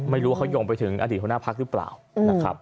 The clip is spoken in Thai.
ไม่รู้เขายงไปถึงอดีตคุณภักดิ์หรือเปล่านะครับ